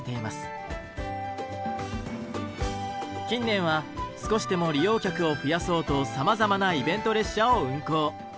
近年は少しでも利用客を増やそうとさまざまなイベント列車を運行。